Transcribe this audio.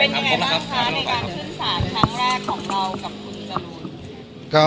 เป็นยังไงบ้างคะในการขึ้นสารครั้งแรกของเรากับคุณจรูน